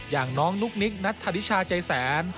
อย่างน้องนุ๊กนิกนัทธาริชาใจแสน